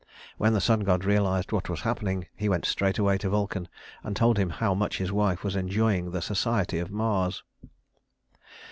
When the sun god realized what was happening, he went straightway to Vulcan and told him how much his wife was enjoying the society of Mars.